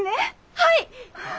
はい！